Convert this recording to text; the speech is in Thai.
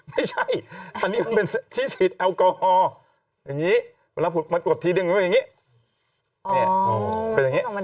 ไม่ใช่อันนี้เป็นที่ฉีดแอลกอลฮอล์อย่างงี้มัดกวดที่นึงมึงอย่างงี้